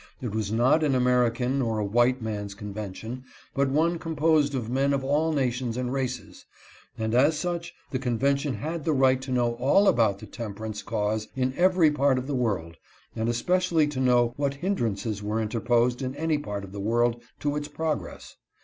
It was not an American or a white man's convention, but one composed of men of all nations and races ; and as such the convention had the right to know all about the temperance cause in every part of the world, and especially to know what hindrances were interposed in any part of the world to its progress.